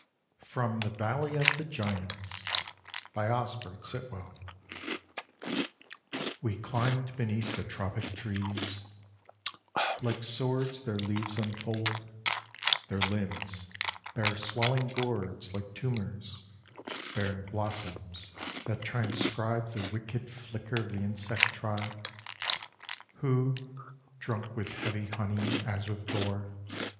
FROM ''THE VALLEY OF THE GIANTS." "YY/E climbed beneath the tropic trees ; hke swords »^ Their leaves unfold ; their limbs bear swelling gourds Like tumours, bearing blossoms that transcribe The wicked flicker of the insect tribe, Who, drunk with heavy honey as with gore.